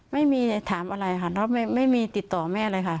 ไม่มีถามอะไรค่ะน้องไม่มีติดต่อแม่เลยค่ะ